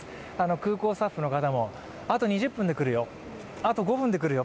空港スタッフの方もあと２０分で来るよ、あと５分で来るよ